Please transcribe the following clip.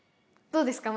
どうですか？